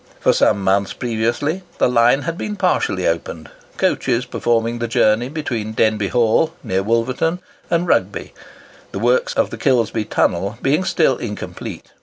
For some months previously, the line had been partially opened, coaches performing the journey between Denbigh Hall (near Wolverton) and Rugby,—the works of the Kilsby tunnel being still incomplete.